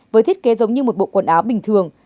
với thiết kế giống như một bộ quần áo bình thường